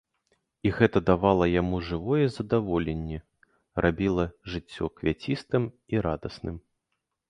І гэта давала яму жывое здаволенне, рабіла жыццё квяцістым і радасным.